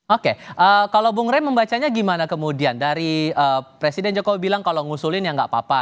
oke kalau bung rey membacanya gimana kemudian dari presiden jokowi bilang kalau ngusulin ya nggak apa apa